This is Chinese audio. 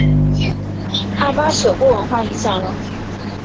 阿巴舍沃文化影响了。